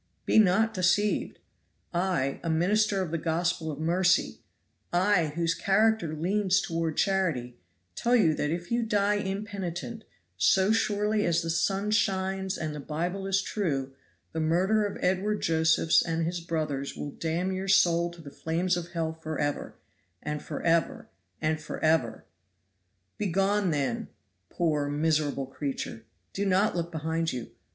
Be not deceived! I, a minister of the gospel of mercy I, whose character leans toward charity, tell you that if you die impenitent, so surely as the sun shines and the Bible is true, the murder of Edward Josephs and his brothers will damn your soul to the flames of hell forever and forever and forever! "Begone, then, poor miserable creature! Do not look behind you.